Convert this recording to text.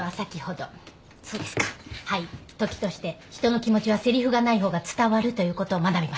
時として人の気持ちはせりふがない方が伝わるということを学びました。